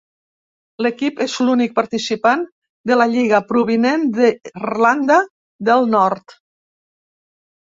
L'equip és l'únic participant de la lliga provinent d'Irlanda del Nord.